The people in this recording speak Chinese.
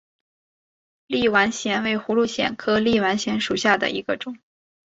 立碗藓为葫芦藓科立碗藓属下的一个种。